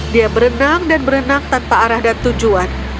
dia berenang dan berenang tanpa arah dan tujuan